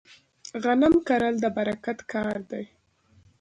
غنم کرل د برکت کار دی.